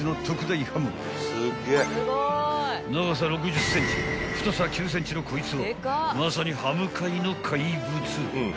［長さ６０ｃｍ太さ９ｃｍのこいつはまさにハム界の怪物］